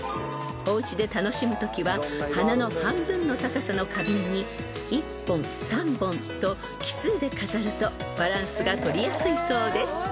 ［おうちで楽しむときは花の半分の高さの花瓶に１本３本と奇数で飾るとバランスが取りやすいそうです］